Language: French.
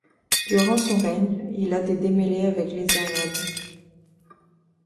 Durant son règne, il a des démêlés avec les Arabes.